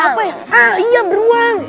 ah iya beruang